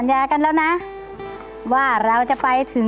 ดูเขาเล็ดดมชมเล่นด้วยใจเปิดเลิศ